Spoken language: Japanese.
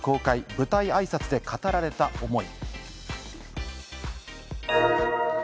舞台あいさつで語られた思い。